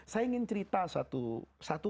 saya ingin cerita satu